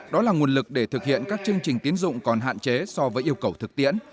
đó là nguồn lực để thực hiện các chương trình tiến dụng còn hạn chế so với yêu cầu thực tiễn